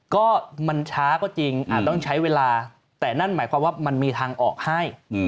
ก็มันช้าก็จริงอาจต้องใช้เวลาแต่นั่นหมายความว่ามันมีทางออกให้